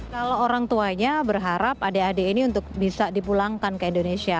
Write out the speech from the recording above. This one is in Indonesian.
saya berharap adik adik ini untuk bisa dipulangkan ke indonesia